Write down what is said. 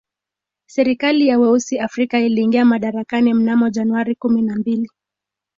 Serikali ya weusi Afrika iliingia madarakani mnamo Januari kumi na mbili